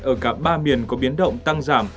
ở cả ba miền có biến động tăng giảm